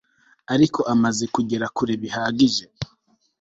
ariko amaze kugera kure bihagije